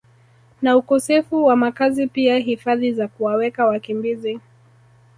na ukosefu wa makazi pia hifadhi za kuwaweka wakimbizi